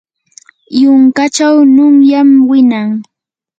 yunkachaw nunyam winan.